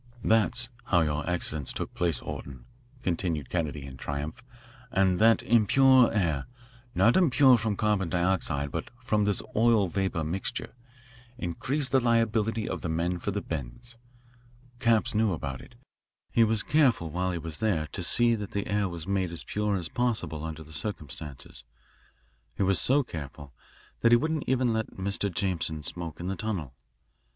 "That's how your accidents took place, Orton," concluded Kennedy in triumph, "and that impure air not impure from carbon dioxide, but from this oil vapour mixture increased the liability of the men for the bends. Capps knew about it. He was careful while he was there to see that the air was made as pure as possible under the circumstances. He was so careful that he wouldn't even let Mr. Jameson smoke in the tunnel.